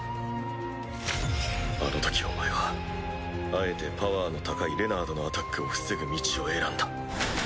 あのときお前はあえてパワーの高いレナードのアタックを防ぐ道を選んだ。